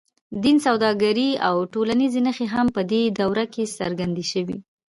دین، سوداګري او ټولنیزې نښې هم په دې دوره کې څرګندې شوې.